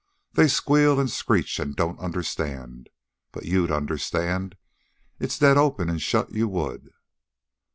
They squeal and screech an' don't understand. But you'd understand. It's dead open an' shut you would."